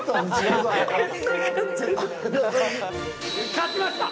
勝ちました！